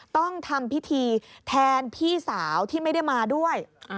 ต้องทำพิธีแทนพี่สาวที่ไม่ได้มาด้วย